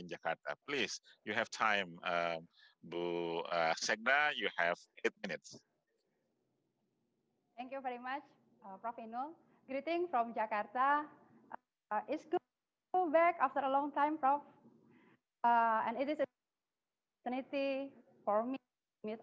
apa pun saya pikir kita semua sudah mendengar ibu segda